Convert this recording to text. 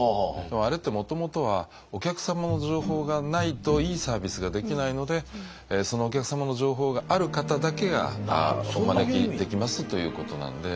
あれってもともとはお客様の情報がないといいサービスができないのでそのお客様の情報がある方だけがお招きできますということなんで。